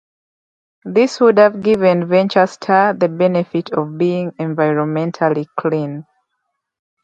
This would have given VentureStar the benefit of being environmentally clean.